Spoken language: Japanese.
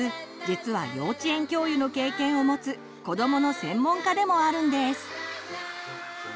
実は幼稚園教諭の経験をもつ子どもの専門家でもあるんです。